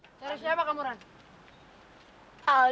aku sudah buat itu selama satu jam lalu